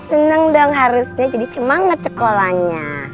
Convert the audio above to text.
senang dong harusnya jadi semangat sekolahnya